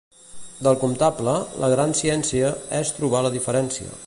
Del comptable, la gran ciència és trobar la diferència.